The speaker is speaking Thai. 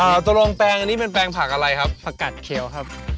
ตกลงแปลงอันนี้เป็นแปลงผักอะไรครับผักกัดเขียวครับ